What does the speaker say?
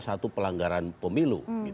satu pelanggaran pemilu